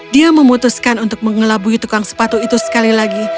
dia memutuskan untuk mengelabui tukang sepatu itu sekali lagi